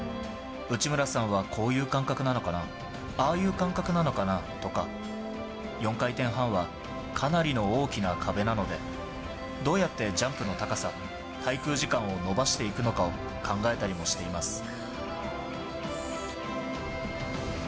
内村さんはこういう感覚なのかな、ああいう感覚なのかなとか、４回転半はかなりの大きな壁なので、どうやってジャンプの高さ、滞空時間を延ばしていくのかを考えたりもしています。